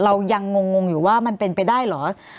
เรายังงงอยู่ว่ามันเป็นไปได้เหรอ